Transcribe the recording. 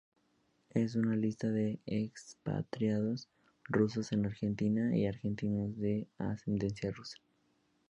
Esta es una lista de expatriados rusos en Argentina y argentinos de ascendencia rusa.